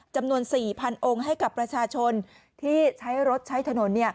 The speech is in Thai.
จำนวน๔๐๐องค์ให้กับประชาชนที่ใช้รถใช้ถนน